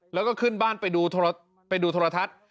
แล้วก็ขึ้นบ้านไปดูไปดูโทรทัศน์